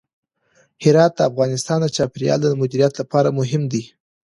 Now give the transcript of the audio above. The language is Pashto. هرات د افغانستان د چاپیریال د مدیریت لپاره مهم دی.